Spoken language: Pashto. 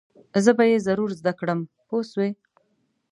زه به یې ضرور زده کړم پوه شوې!.